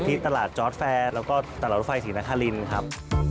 ที่ตลาดจอร์ดแฟร์แล้วก็ตลาดรถไฟศรีนครินครับ